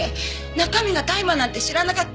中身が大麻なんて知らなかった。